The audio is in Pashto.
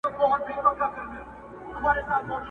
درد راسره خپل سو، پرهارونو ته به څه وایو؛